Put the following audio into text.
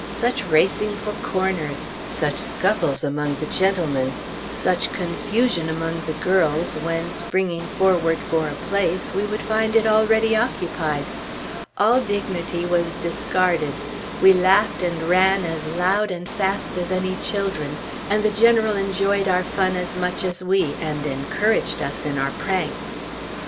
Such racing for corners! Such scuffles among the gentlemen! Such confusion among the girls when, springing forward for a place, we would find it already occupied! All dignity was discarded. We laughed and ran as loud and fast as any children, and the General enjoyed our fun as much as we, and encouraged us in our pranks.